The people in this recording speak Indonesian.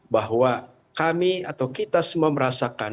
bahwa kami atau kita semua merasakan